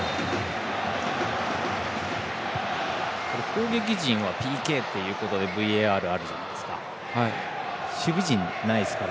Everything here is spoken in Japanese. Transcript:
攻撃陣はＰＫということでＶＡＲがあるじゃないですか。